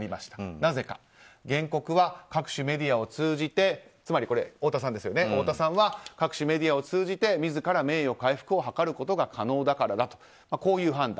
なぜかというと原告は各種メディアを通じてつまり、太田さんは各種メディアを通じて自ら名誉回復を図ることが可能だからだとこういう判断。